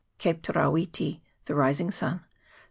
Cape Terawiti (the Rising Sun), S.E.